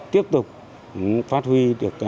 tiếp tục phát huy